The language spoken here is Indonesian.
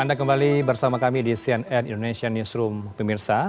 anda kembali bersama kami di cnn indonesia newsroom pemirsa